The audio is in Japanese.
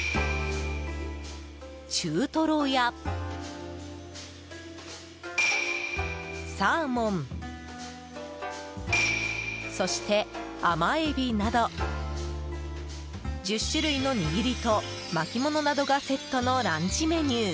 中トロやサーモンそして甘エビなど１０種類の握りと巻き物などがセットのランチメニュー